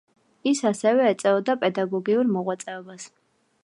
ის ასევე ეწეოდა პედაგოგიურ მოღვაწეობას.